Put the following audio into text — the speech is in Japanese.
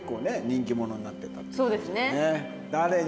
人気者になってたっていう感じだね。